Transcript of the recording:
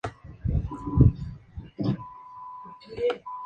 J-Air es una aerolínea afiliada de Oneworld.